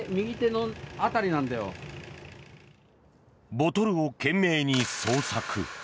ボトルを懸命に捜索。